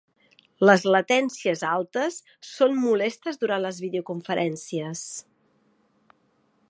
Les latències altes són molestes durant les videoconferències.